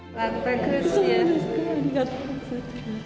ありがとうございます。